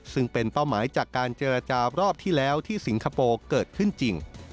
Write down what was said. ซึ่งเป็นเป้าหมายจากการเจรจารอบที่แล้วที่สิงคโปร์เกิดขึ้นจริง